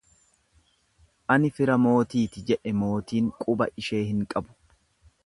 Ani fira mootiiti jette mootiin quba ishee hin qabu.